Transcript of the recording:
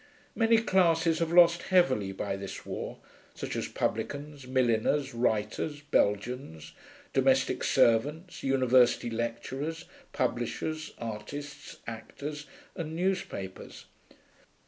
Many classes have lost heavily by this war, such as publicans, milliners, writers, Belgians, domestic servants, university lecturers, publishers, artists, actors, and newspapers.